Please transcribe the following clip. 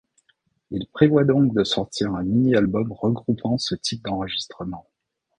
Ils prévoient donc de sortir un mini-album regroupant ce type d'enregistrements.